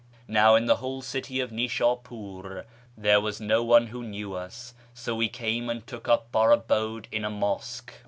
Now in the whole city of Nishapur there was no one who knew us, so we came and took i;p our abode in a mosque.